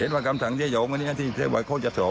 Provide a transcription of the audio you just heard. เห็นว่ากำสั่งที่เยาว์มานี้ที่เวลาเขาจะสอบ